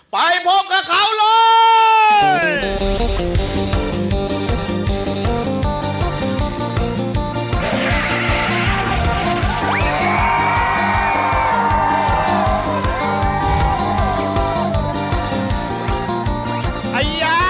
ไปพบกับเขาเลย